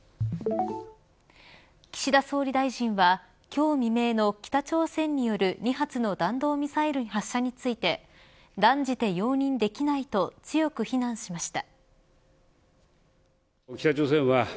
岸田総理大臣は今日未明の北朝鮮による２発の弾道ミサイル発射について断じて容認できないと強く非難しました。